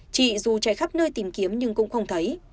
chị dù chạy khắp nơi tìm kiếm nhưng cũng không thấy